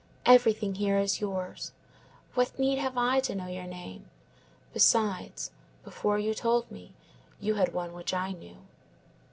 Everything here is yours. What need have I to know your name? Besides, before you told me you had one which I knew."